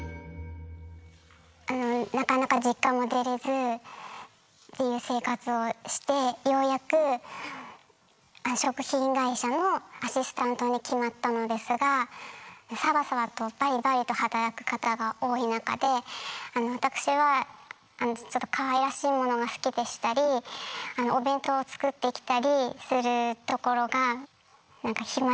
あのなかなか実家も出れずっていう生活をしてようやく食品会社のアシスタントに決まったのですがサバサバとバリバリと働く方が多い中であの私はちょっとかわいらしいものが好きでしたり。って言われたり。